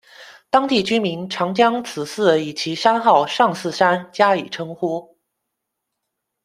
当地居民常将此寺以其山号「上寺山」加以称呼。